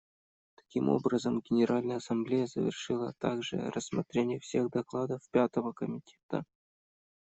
Таким образом, Генеральная Ассамблея завершила также рассмотрение всех докладов Пятого комитета.